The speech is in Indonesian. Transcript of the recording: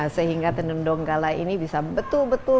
sehingga tendung nunggala ini bisa betul betul